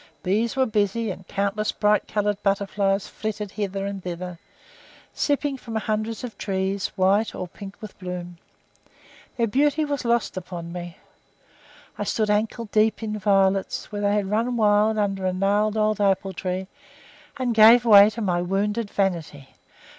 Bees were busy, and countless bright coloured butterflies flitted hither and thither, sipping from hundreds of trees, white or pink with bloom their beauty was lost upon me. I stood ankle deep in violets, where they had run wild under a gnarled old apple tree, and gave way to my wounded vanity.